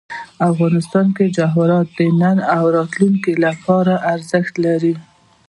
افغانستان کې جواهرات د نن او راتلونکي لپاره ارزښت لري.